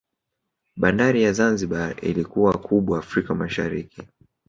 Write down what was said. Bandari ya Zanzibar ilikuwa kubwa Afrika Mashariki